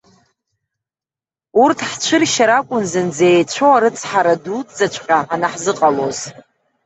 Урҭ ҳцәыршьыр акәын зынӡа еицәоу арыцҳара дуӡӡаҵҟьа анҳзыҟалоз.